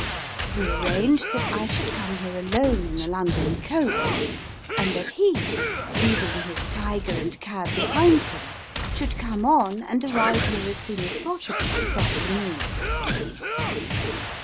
We arranged that I should come here alone in the London coach ; and that he, leaving his tiger and cab behind him, should come on, and arrive here as soon as possible this afternoon."